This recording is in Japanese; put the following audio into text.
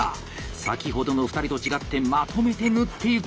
先ほどの２人と違ってまとめて縫っていく！